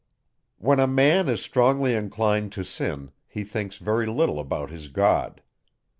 When a man is strongly inclined to sin, he thinks very little about his God.